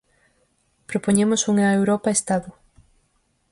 Propoñemos unha Europa Estado.